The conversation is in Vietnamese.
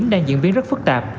đang diễn biến rất phức tạp